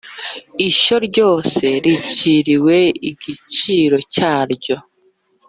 ishyo ryose riciriwe igiciro cyaryo